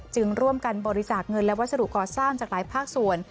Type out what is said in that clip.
จึงร่วมกันบริจาคเงินและวัสดุก่อสร้างจากหลายภาคส่วน